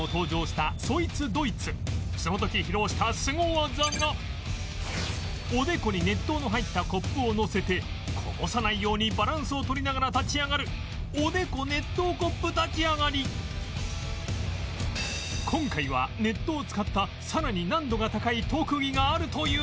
その時披露したスゴ技がおでこに熱湯の入ったコップをのせてこぼさないようにバランスを取りながら立ち上がる今回は熱湯を使ったさらに難度が高い特技があるという